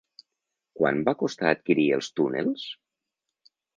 Quant va costar adquirir els túnels?